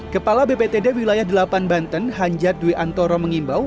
kepala bptd wilayah delapan banten hanjat dwi antoro mengimbau